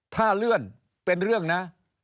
ถ้าเลื่อนเป็นเรื่องนะ